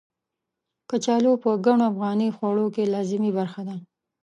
کچالو په ګڼو افغاني خوړو کې لازمي برخه ده.